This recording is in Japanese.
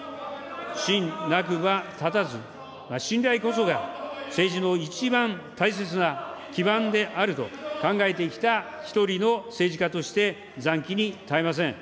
信なくば立たず、信頼こそが政治の一番大切な基盤であると考えてきた一人の政治家として、ざんきに堪えません。